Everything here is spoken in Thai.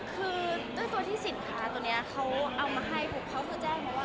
คือด้วยตัวที่สินค้าตัวนี้เขาเอามาให้ปุ๊บเขาคือแจ้งมาว่า